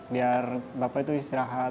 biar bapak itu istirahat